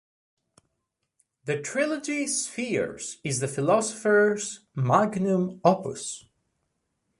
The trilogy "Spheres" is the philosopher's magnum opus.